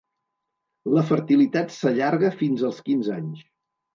La fertilitat s'allarga fins als quinze anys.